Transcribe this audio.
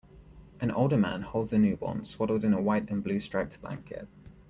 An older man holds a newborn swaddled in a white and blue striped blanket.